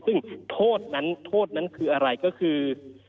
ซึ่งโทษนั้นคืออะไรก็คือ